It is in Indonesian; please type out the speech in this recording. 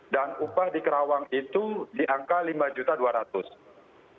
dan upah di kerawang itu itu sudah jelas sekali